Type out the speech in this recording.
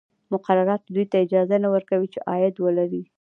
مقرراتو دوی ته اجازه نه ورکوله چې عاید ولري.